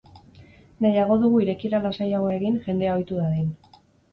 Nahiago dugu irekiera lasaiagoa egin, jendea ohitu dadin.